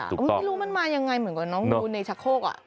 ไม่รู้มันมายังไงเหมือนกับน้องดูในชะโคก